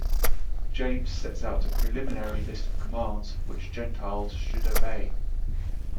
James sets out a preliminary list of commands which Gentiles should obey.